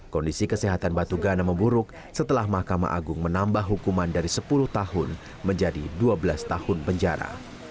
kondisi kesehatan batu gana memburuk setelah mahkamah agung menambah hukuman dari sepuluh tahun menjadi dua belas tahun penjara